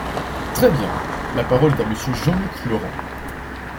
Très bien ! La parole est à Monsieur Jean-Luc Laurent.